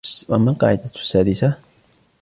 وَأَمَّا الْقَاعِدَةُ السَّادِسَةُ